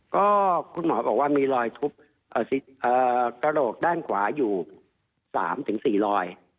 ก็คุณหมอบอกว่ามีรอยทุบกระโหลกด้านขวาอยู่๓๔รอย